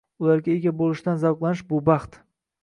Ularga ega bo'lishdan zavqlanish - bu baxt.